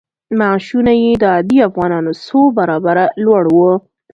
معاشونه یې د عادي افغانانو څو برابره لوړ وو.